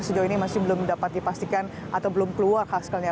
sejauh ini masih belum dapat dipastikan atau belum keluar hasilnya